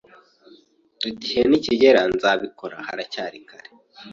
igihe nikigera nzabikora haracyari kare